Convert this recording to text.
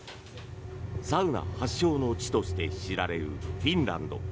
サウナ発祥の地として知られるフィンランド。